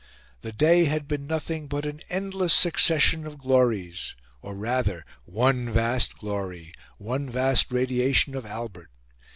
The day had been nothing but an endless succession of glories or rather one vast glory one vast radiation of Albert.